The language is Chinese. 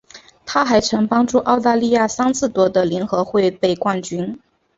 她还曾帮助澳大利亚三次夺得联合会杯冠军。